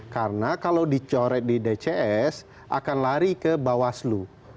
karena kalau dicoret di dcs akan lari ke bawaslu